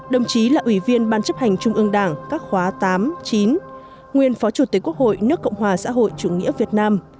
đồng chí là ủy viên ban chấp hành trung ương đảng các khóa tám chín nguyên phó chủ tịch quốc hội nước cộng hòa xã hội chủ nghĩa việt nam